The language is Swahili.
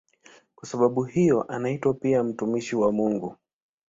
Kwa sababu hiyo anaitwa pia "mtumishi wa Mungu".